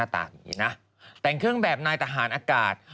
แต่งเครื่องแบบนายทหารอากาศ